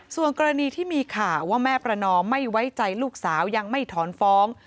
ส่วนกรณีที่มีข่าวว่าแม่ประนอมไม่ไว้ใจลูกสาวยังไม่ถอนฟ้อง